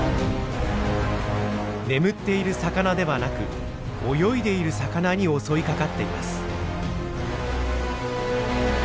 眠っている魚ではなく泳いでいる魚に襲いかかっています。